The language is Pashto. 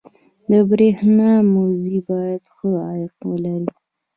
• د برېښنا مزي باید ښه عایق ولري.